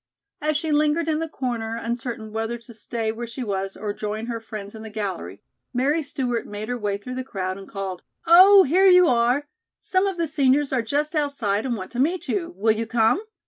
As she lingered in the corner, uncertain whether to stay where she was or join her friends in the gallery, Mary Stewart made her way through the crowd and called: "Oh, here you are. Some of the seniors are just outside and want to meet you. Will you come?"